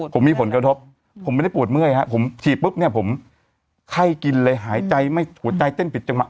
ผมมีผลกระทบผมไม่ได้ปวดเมื่อยฮะผมฉีดปุ๊บเนี่ยผมไข้กินเลยหายใจไม่หัวใจเต้นผิดจังหว